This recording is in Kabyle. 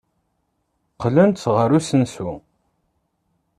Qqlent ɣer usensu.